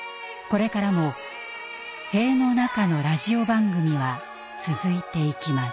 これからも塀の中のラジオ番組は続いていきます。